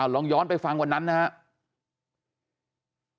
ลองย้อนไปฟังวันนั้นนะครับ